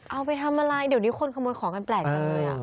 เอาไปทำอะไรเดี๋ยวนี้คนขโมยของกันแปลกจังเลย